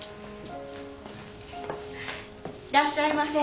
いらっしゃいませ。